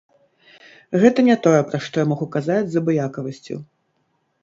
Гэта не тое, пра што я магу казаць з абыякавасцю.